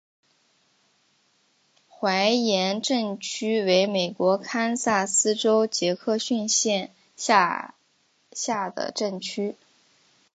怀廷镇区为美国堪萨斯州杰克逊县辖下的镇区。